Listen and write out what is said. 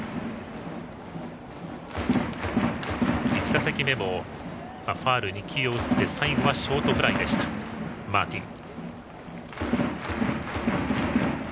１打席目もファウル２球で最後はショートフライだったマーティン。